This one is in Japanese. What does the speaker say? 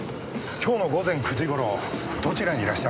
今日の午前９時頃どちらにいらっしゃいましたか？